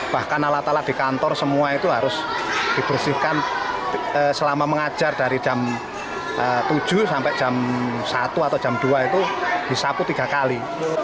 bahkan alat alat di kantor semua itu harus dibersihkan selama mengajar dari jam tujuh sampai jam satu atau jam dua itu disapu tiga kali